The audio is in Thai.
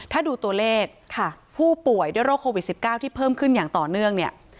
ถ้าดูตัวเลขผู้ป่วยด้วยโรคโควิด๑๙ที่เพิ่มขึ้นอย่างต่อเนื่องเนี่ย